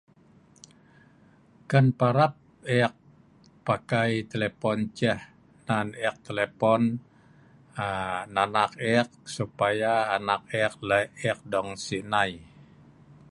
Kan parap e’ek pakai telepon ceh nan ek telepon um anak e’ek supaya anak e’ek lek e’ek dong Sik nei